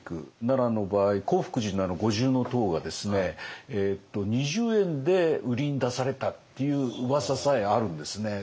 奈良の場合興福寺の五重塔が２０円で売りに出されたっていう噂さえあるんですね。